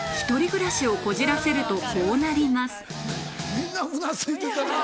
みんなうなずいてたな。